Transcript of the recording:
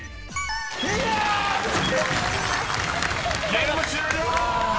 ［ゲーム終了！］